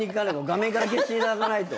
画面から消していただかないと。